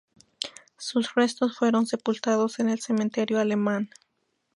Sus restos fueron sepultados en el Cementerio Alemán.